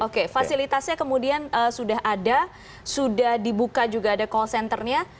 tapi kalau kita lihat kelasnya kemudian sudah ada sudah dibuka juga ada call centernya